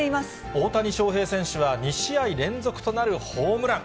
大谷翔平選手は、２試合連続となるホームラン。